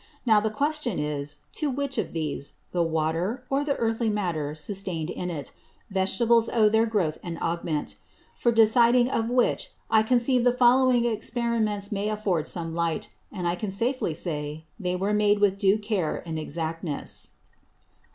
Now the Question is, to which of these, the Water, or the Earthly Matter sustain'd in it, Vegetables owe their Growth and Augment: For deciding of which, I conceive the following Experiments may afford some Light; and I can safely say, they were made with due Care and Exactness.